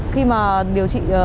khi mà điều trị